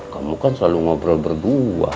kamu kan selalu ngobrol berdua